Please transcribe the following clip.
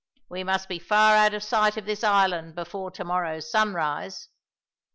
We must be far out of sight of this island before to morrow's sunrise."